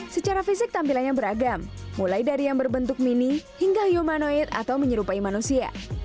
secara fisik tampilannya beragam mulai dari yang berbentuk mini hingga humanoid atau menyerupai manusia